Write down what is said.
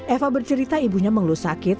eva bercerita ibunya mengeluh sakit